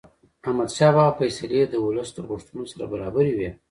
احمدشاه بابا فیصلې د ولس د غوښتنو سره برابرې وې.